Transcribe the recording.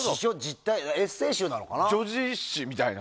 エッセー集かな。